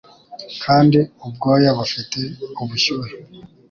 Kandi ubwoya bufite ubushyuhe